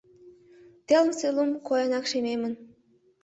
Телымсе лум койынак шемемын.